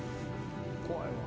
怖いわ。